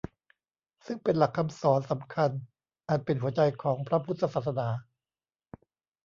ซึ่งเป็นหลักคำสอนสำคัญอันเป็นหัวใจของพระพุทธศาสนา